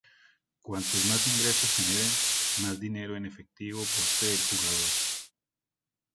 Cuantos más ingresos generen, más dinero en efectivo posee el jugador.